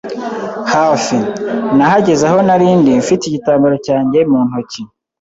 hafi. Nahagaze aho nari ndi, mfite igitambaro cyanjye mu ntoki.